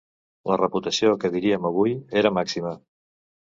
La reputació, que diríem avui, era màxima.